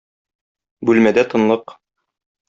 Бүлмәдә тынлык.